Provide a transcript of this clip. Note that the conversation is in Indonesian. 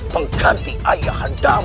pengganti ayah anda